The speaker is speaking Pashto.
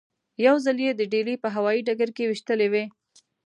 یو ځل یې د ډیلي په هوايي ډګر کې وېشلې وې.